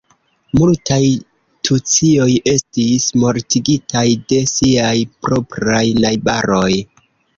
Multaj tucioj estis mortigitaj de siaj propraj najbaroj.